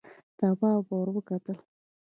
تواب ور وکتل: